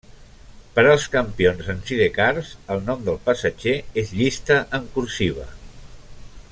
Per als campions en sidecars, el nom del passatger es llista en cursiva.